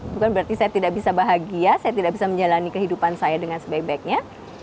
bukan berarti saya tidak bisa bahagia saya tidak bisa menjalani kehidupan saya dengan sebaik baiknya